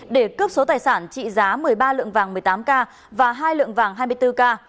để cướp số tài sản trị giá một mươi ba lượng vàng một mươi tám k và hai lượng vàng hai mươi bốn k